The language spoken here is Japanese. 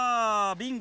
ビンゴ！